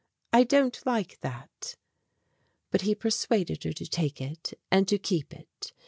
I don't like that." But he persuaded her to take it and to keep it.